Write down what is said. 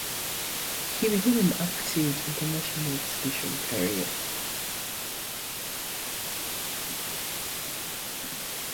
He began an active international exhibition career.